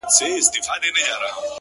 ستا د ږغ څــپــه “ څـپه “څپــه نـه ده”